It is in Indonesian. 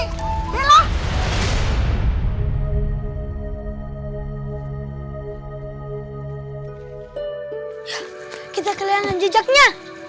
yuk kita kelihatan jejaknya